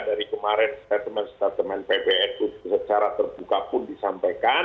dari kemarin statement statement pbnu secara terbuka pun disampaikan